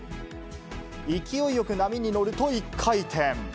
勢いよく波に乗ると、１回転。